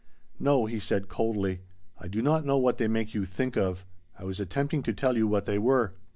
"No," he said coldly, "I do not know what they make you 'think of.' I was attempting to tell you what they were."